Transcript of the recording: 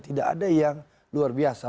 tidak ada yang luar biasa